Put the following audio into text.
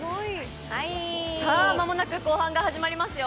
間もなく後半が始まりますよ。